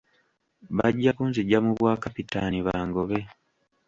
Bajja ku nzija mu bwa Kapitaani bangobe.